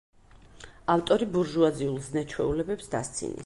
ავტორი ბურჟუაზიულ ზნე-ჩვეულებებს დასცინის.